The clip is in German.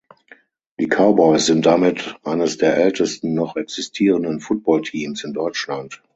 Die Cowboys sind damit eines der ältesten noch existierenden Football-Teams in Deutschland.